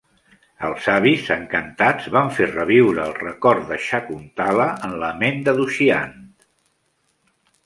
Els savis, encantats, van fer reviure el record de Shakuntala en la ment de Dushyant.